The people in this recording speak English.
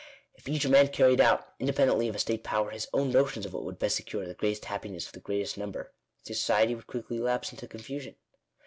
If each man carried out, independently of a state power, his own notions of what would best secure " the greatest happiness of the greatest number," society would quickly lapse into con fusion.